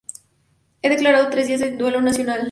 He declarado tres días de duelo nacional.